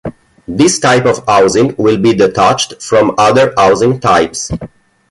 This type of housing will be detached from other housing types.